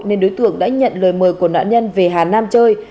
nên đối tượng đã nhận lời mời của nạn nhân về hà nam chơi